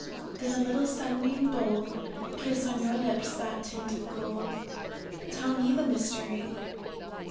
Did a little sunbeam bold Kiss on your lips that tint of gold? Tell me the mystery.